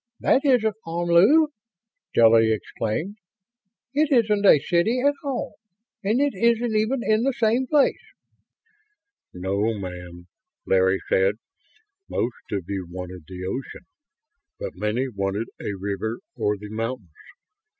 That isn't Omlu!" Stella exclaimed. "It isn't a city at all and it isn't even in the same place!" "No, ma'am," Larry said. "Most of you wanted the ocean, but many wanted a river or the mountains.